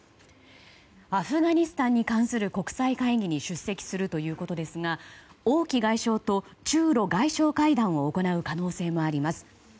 アフガニスタンに関する国際会議に出席するということですが王毅外相と中露外相会談を行う可能性もあります。